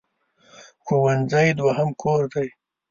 ښوونځی دوهم کور دی.